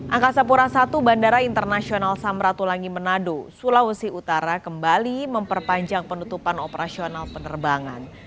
angkasa pura i bandara internasional samratulangi manado sulawesi utara kembali memperpanjang penutupan operasional penerbangan